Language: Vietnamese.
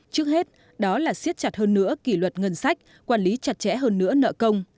trước hết đó là siết chặt hơn nữa kỷ luật ngân sách quản lý chặt chẽ hơn nữa nợ công